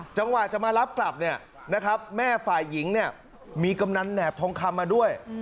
จังหวะจะมารับกลับแม่ฝ่ายหญิงมีกำนันแหนบทองคำมาด้วย